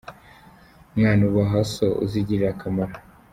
Mwana ubaha so uzigirire akamaro.